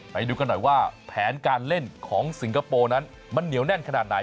ไปดูกันหน่อยว่าแผนการเล่นของสิงคโปร์นั้นมันเหนียวแน่นขนาดไหน